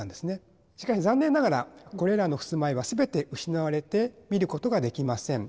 しかし残念ながらこれらの襖絵は全て失われて見ることができません。